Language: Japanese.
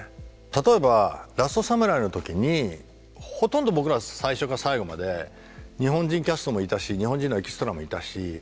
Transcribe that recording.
例えば「ラストサムライ」の時にほとんど僕ら最初から最後まで日本人キャストもいたし日本人のエキストラもいたし。